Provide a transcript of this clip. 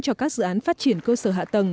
cho các dự án phát triển cơ sở hạ tầng